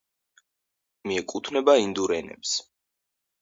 მიეკუთვნება ინდურ ენებს.